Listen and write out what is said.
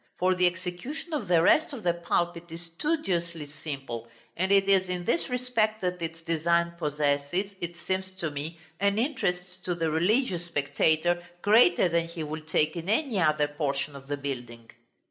For the execution of the rest of the pulpit is studiously simple, and it is in this respect that its design possesses, it seems to me, an interest to the religious spectator greater than he will take in any other portion of the building.